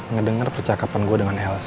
ngedengar percakapan gue dengan elsa